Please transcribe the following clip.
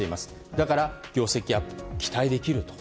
だから業績アップが期待できると。